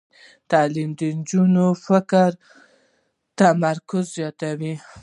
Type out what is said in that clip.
تعلیم د نجونو فکري تمرکز زیاتوي.